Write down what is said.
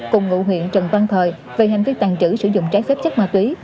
cùng ngụ huyện trần văn thời về hành vi tàn trữ sử dụng trái phép chất ma túy